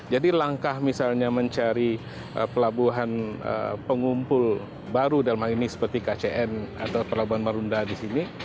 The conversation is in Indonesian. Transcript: jadi langkah misalnya mencari pelabuhan pengumpul baru dalam hal ini seperti kcn atau pelabuhan marunda disini